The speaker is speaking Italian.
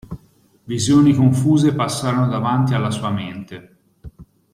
Visioni confuse passarono davanti alla sua mente.